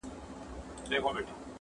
دا چي مي تر سترګو میکده میکده کيږې,